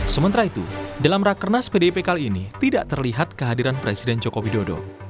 sementara itu dalam rakernas pdip kali ini tidak terlihat kehadiran presiden joko widodo